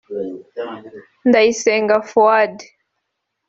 Ndayisenga Fuad